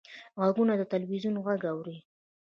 غوږونه د تلویزیون غږ اوري